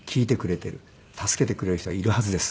助けてくれる人はいるはずです。